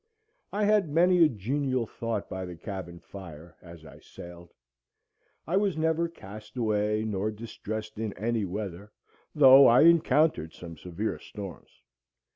I had many a genial thought by the cabin fire "as I sailed." I was never cast away nor distressed in any weather, though I encountered some severe storms.